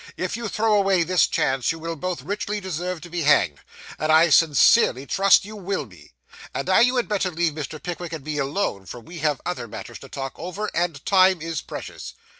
If you throw away this chance, you will both richly deserve to be hanged, as I sincerely trust you will be. And now you had better leave Mr. Pickwick and me alone, for we have other matters to talk over, and time is precious.